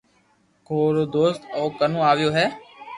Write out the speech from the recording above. ڪو اورو دوست او ڪنو آويو ھي